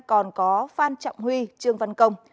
có phan trọng huy trương văn công